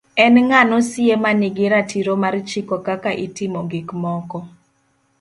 en ng'ano sie ma nigi ratiro mar chiko kaka itimo gik moko